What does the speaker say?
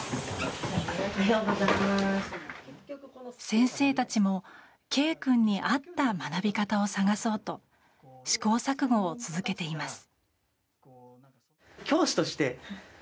先生たちもＫ君に合った学び方を探そうと試行錯誤を続けています。